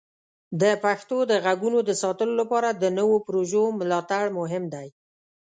د پښتو د غږونو د ساتلو لپاره د نوو پروژو ملاتړ مهم دی.